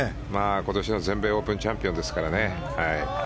今年の全米オープンチャンピオンですからね。